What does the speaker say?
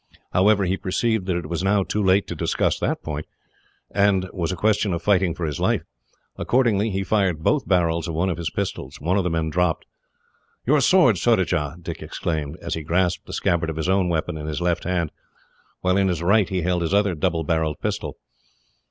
However, he perceived that it was now too late to discuss that point, and was a question of fighting for his life. Accordingly, he fired both barrels of one of his pistols. One of the men dropped. "Your sword, Surajah!" Dick exclaimed, as he grasped the scabbard of his own weapon in his left hand, while in his right he held his other double barrelled pistol.